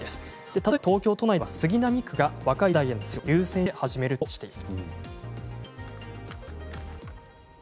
例えば東京都内では、杉並区が若い世代への接種を優先して始めるとしています。